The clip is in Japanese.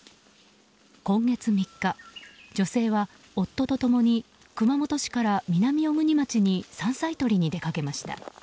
今月３日、女性は夫と共に熊本市から南小国町に山菜採りに出かけました。